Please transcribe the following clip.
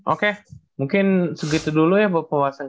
oke mungkin segitu dulu ya bapak wasang